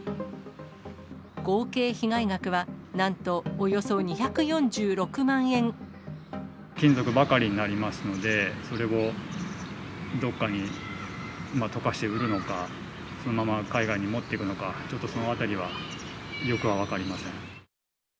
合計被害額は、なんとおよそ金属ばかりになりますので、それをどこかに溶かして売るのか、そのまま海外に持っていくのか、ちょっとそのあたりはよくは分かりません。